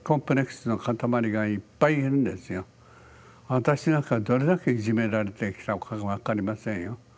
私なんかどれだけいじめられてきたことか分かりませんよ。